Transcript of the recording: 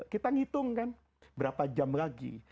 kita ngitung kan berapa jam lagi